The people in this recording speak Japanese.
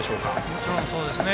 もちろんそうですね。